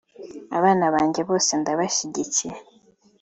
Abana banjye bose ndabashyigikira